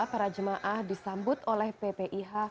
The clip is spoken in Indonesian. para jemaah disambut oleh ppih